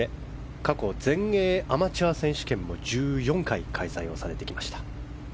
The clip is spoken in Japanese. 過去、全英アマチュア選手権も１４回開催をされてきました。